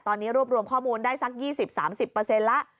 ตอนนี้รวบรวมข้อมูลได้สัก๒๐๓๐แล้ว